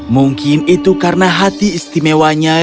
mungkin itu karena hati istimewanya